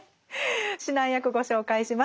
指南役ご紹介します。